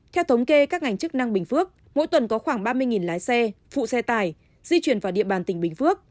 theo thống kê các ngành chức năng bình phước mỗi tuần có khoảng ba mươi lái xe phụ xe tải di chuyển vào địa bàn tỉnh bình phước